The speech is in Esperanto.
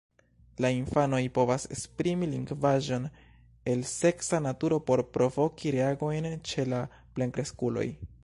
La infanoj povas esprimi lingvaĵon el seksa naturo por provoki reagojn ĉe la plenkreskuloj.